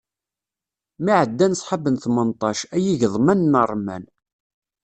Mi ɛeddan sḥab n tmenṭac, ay igeḍman n remman.